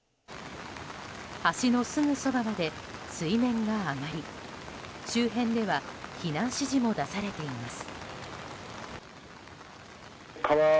橋のすぐそばまで水面が上がり周辺では避難指示も出されています。